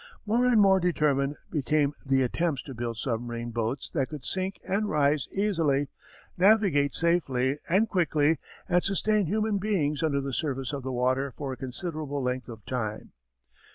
More and more determined became the attempts to build submarine boats that could sink and rise easily, navigate safely and quickly, and sustain human beings under the surface of the water for a considerable length of time.